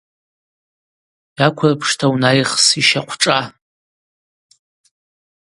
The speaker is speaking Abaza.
Йаквырпшта унайхс йщахъвшӏа.